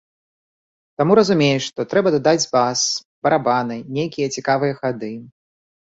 Таму разумееш, што трэба дадаць бас, барабаны, нейкія цікавыя хады.